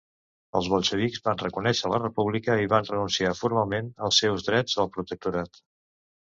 Els bolxevics van reconèixer la república i van renunciar formalment als seus drets al protectorat.